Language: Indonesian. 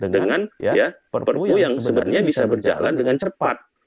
dengan perpu yang sebenarnya bisa berjalan dengan cepat